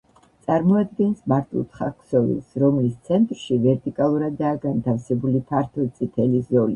წარმოადგენს მართკუთხა ქსოვილს, რომლის ცენტრში ვერტიკალურადაა განთავსებული ფართო წითელი ზოლი.